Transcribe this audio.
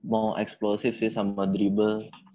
mau eksplosif sih sama dribble